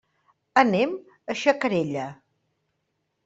Anem a Xacarella.